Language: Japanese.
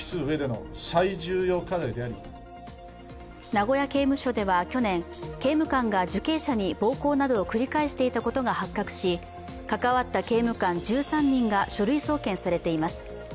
名古屋刑務所では去年刑務官が受刑者に暴行などを繰り返していたことが発覚し関わった刑務官１３人が書類送検されています。